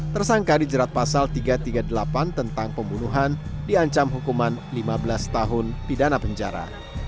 tersangka dijerat pasal tiga ratus tiga puluh delapan tentang pembunuhan diancam hukuman lima belas tahun pidana penjara